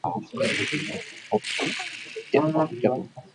This site remains the location of Scoil Mhuire to date.